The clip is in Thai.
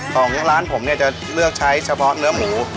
ของร้านผมเนี่ยจะเลือกใช้เฉพาะเนื้อหมู